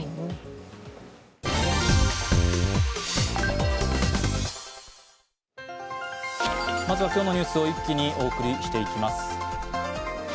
まずは今日のニュースを一気にお送りしていきます。